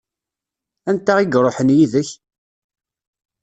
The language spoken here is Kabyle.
Anta i iṛuḥen yid-k?